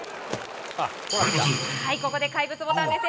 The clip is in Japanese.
ここで怪物ボタンです。